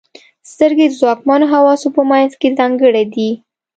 • سترګې د ځواکمنو حواسو په منځ کې ځانګړې دي.